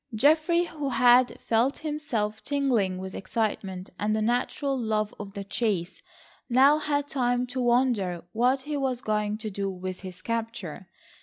Geoffrey, who had felt himself tingling with excitement and the natural love of the chase, now had time to wonder what he was going to do with his capture.